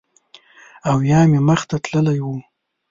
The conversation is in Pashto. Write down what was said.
او یا مې مخ ته تللی و